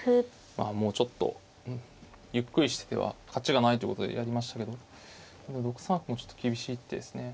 まあもうちょっとゆっくりしてては勝ちがないということでやりましたけど６三歩もちょっと厳しい一手ですね。